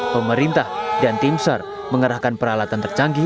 pemerintah dan timsar mengarahkan peralatan tercanggih